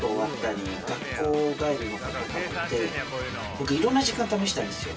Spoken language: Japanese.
僕いろんな時間試したんですよ。